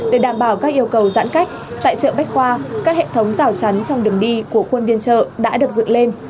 để đảm bảo các yêu cầu giãn cách tại chợ bách khoa các hệ thống rào chắn trong đường đi của quân biên chợ đã được dựng lên